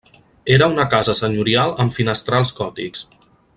Era una casa senyorial amb finestrals gòtics.